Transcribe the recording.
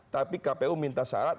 tapi kpu minta syarat